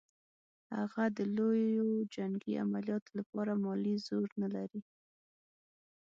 هغه د لویو جنګي عملیاتو لپاره مالي زور نه لري.